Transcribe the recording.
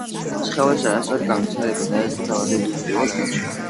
სხეულის არასწორი განვითარება დაეწყო დაბადებიდან პირველ წლებში.